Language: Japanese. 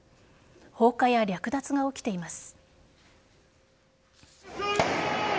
放火や略奪が起きています。